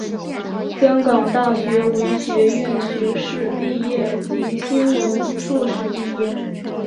香港大学文学院学士毕业及新闻硕士毕业。